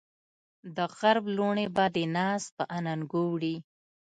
دغرب لوڼې به دې ناز په اننګو وړي